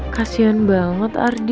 kasian banget ardi